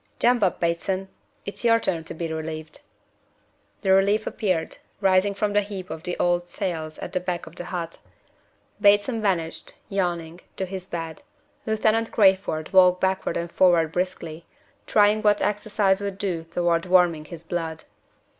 "Jump up, Bateson! It's your turn to be relieved." The relief appeared, rising from a heap of old sails at the back of the hut. Bateson vanished, yawning, to his bed. Lieutenant Crayford walked backward and forward briskly, trying what exercise would do toward warming his blood.